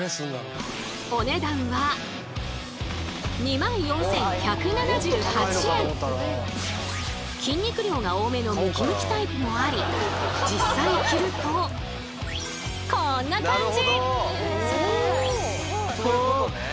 お値段は筋肉量が多めのムキムキタイプもあり実際着るとこんな感じ！